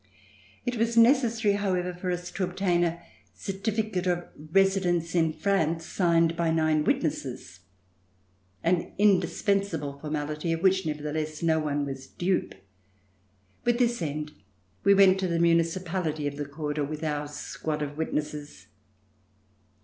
It was necessary however for us to obtain a certificate of residence in France, signed by nine witnesses, an indispensable formality of which, never theless, no one was dupe. With this end we went to the Municipality of the quarter with our squad of witnesses.